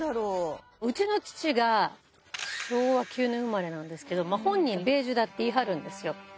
うちの父が、昭和９年生まれなんですけど、本人、米寿だって言い張るんですよ。